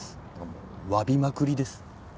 もうわびまくりです。